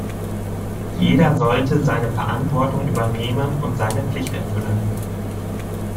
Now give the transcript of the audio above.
Jeder sollte seine Verantwortung übernehmen und seine Pflicht erfüllen.